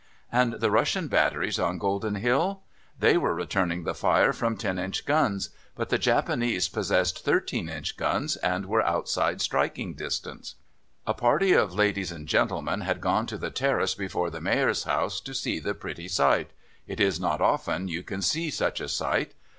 And the Russian batteries on Golden Hill? They were returning the fire from 10 inch guns; but the Japanese possessed 13 inch guns and were outside striking distance. A party of ladies and gentlemen had gone to the terrace before the Mayor's house to see the pretty sight it is not often you can see such a sight.